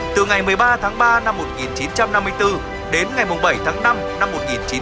từ ngày một mươi ba tháng ba năm một nghìn chín trăm năm mươi bốn đến ngày bảy tháng năm năm một nghìn chín trăm bốn mươi năm